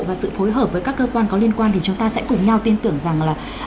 và sự phối hợp với các cơ quan có liên quan thì chúng ta sẽ cùng nhau tin tưởng rằng là